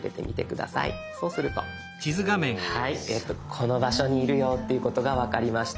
この場所にいるよっていうことが分かりました。